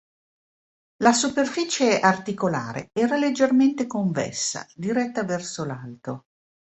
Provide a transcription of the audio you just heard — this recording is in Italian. La superficie articolare era leggermente convessa, diretta verso l'alto.